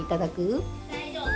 大丈夫？